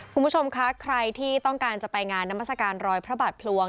คุณผู้ชมคะใครที่ต้องการจะไปงานนามัศกาลรอยพระบาทพลวง